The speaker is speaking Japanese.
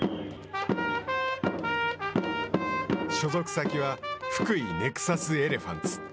所属先は福井ネクサスエレファンツ。